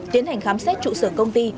tiến hành khám xét trụ sở công ty